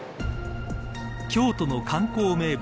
京都の観光名物